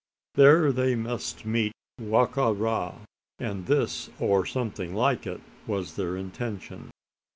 There they must meet Wa ka ra. And this or something like it, was their intention.